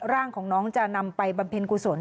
ร่างของน้องจะนำไปบำเพ็ญกุศล